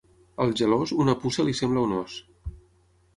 Al gelós, una puça li sembla un ós.